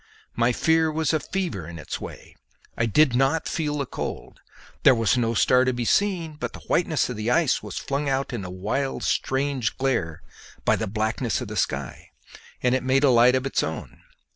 My fear was a fever in its way, and I did not feel the cold. There was no star to be seen, but the whiteness of the ice was flung out in a wild strange glare by the blackness of the sky, and made a light of its own.